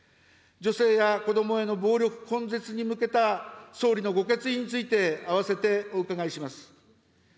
女性や子どもへの暴力根絶に向けた総理のご決意について、併せてお伺いします。